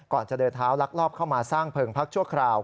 จะเดินเท้าลักลอบเข้ามาสร้างเพลิงพักชั่วคราว